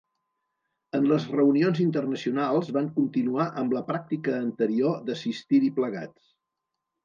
En les reunions internacionals, van continuar amb la pràctica anterior d'assistir-hi plegats.